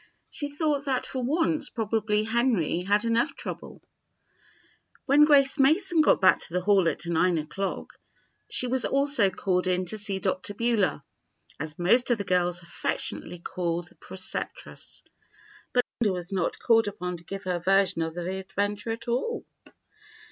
She thought that for once probably Henry had enough trouble! When Grace Mason got back to the Hall at nine o'clock, she was also called in to see "Dr. Beulah," as most of the girls affectionately called the preceptress. But Linda was not called upon to give her version of the adventure at all.